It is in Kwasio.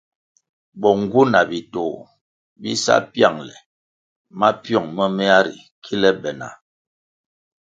Bo ngu na bitoh bi sa pyangʼle mapyong momea ri kile be na.